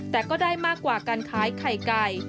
แต่ก็ได้มากกว่าการขายไข่ไก่